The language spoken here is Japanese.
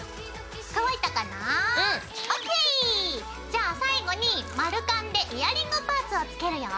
じゃ最後に丸カンでイヤリングパーツをつけるよ！